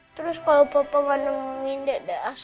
terus kalau papa gak nemuin dadah